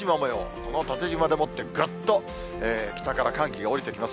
この縦じまでもってぐっと北から寒気が降りてきます。